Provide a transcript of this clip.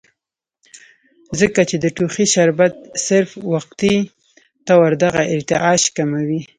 ځکه چې د ټوخي شربت صرف وقتي طور دغه ارتعاش کموي